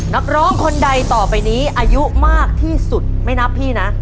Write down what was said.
นักร้องคนใดต่อไปนี้อายุมากที่สุดไม่นับพี่นะ